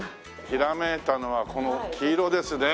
ひらめいたのはこの黄色ですね。